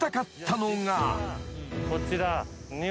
こちら。